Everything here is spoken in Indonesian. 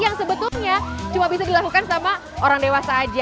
yang sebetulnya cuma bisa dilakukan sama orang dewasa aja